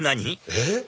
えっ？